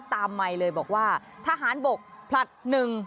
ไมค์เลยบอกว่าทหารบกผลัดหนึ่ง